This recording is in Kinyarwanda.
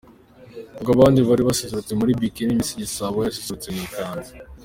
Ubwo abandi bari baserutse muri Bikini, Miss Igisabo we yaserutse mu ikanzu.